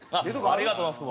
ありがとうございます。